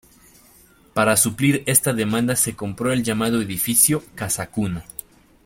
Para suplir esta demanda se compró el llamado edificio "Casa Cuna".